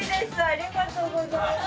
ありがとうございます。